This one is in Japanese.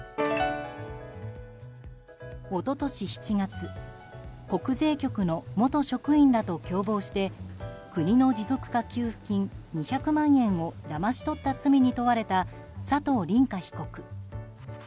一昨年７月国税局の元職員らと共謀して国の持続化給付金２００万円をだまし取った罪に問われた佐藤凜果被告。